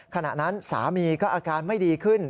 ขณะนั้นสามีก็อาการไม่ดีขึ้น